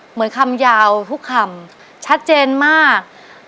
เหมือนคำยาวทุกคำชัดเจนมาก